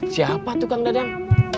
siapa tuh kang dadang